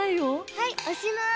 はいおしまい。